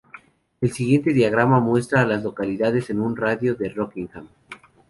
El siguiente diagrama muestra a las localidades en un radio de de Rockingham.